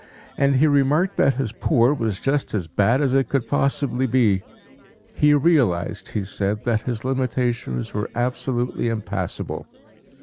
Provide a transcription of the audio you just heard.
And he remarked that his poor was just as bad as it could possibly be. He realized, he said, that his limitations were absolutely impassable.